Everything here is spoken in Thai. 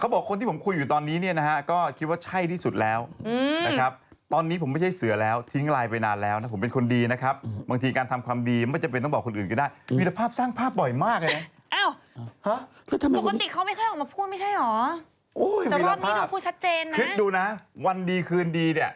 บริษัททำอย่างติดละครนางเป็นผู้จัดหรือยังแองกี้